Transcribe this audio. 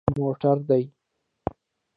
_موټر دي؟